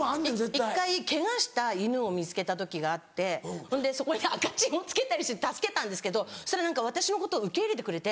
１回ケガした犬を見つけた時があってそんでそこに赤チンをつけたりして助けたんですけどそしたら何か私のことを受け入れてくれて。